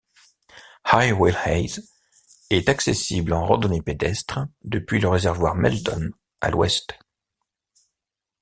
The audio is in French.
High Willhays est accessible en randonnée pédestre depuis le réservoir Meldon, à l'ouest.